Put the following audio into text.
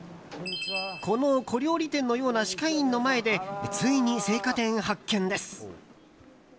この小料理店のような歯科医院の前でついに青果店発見です。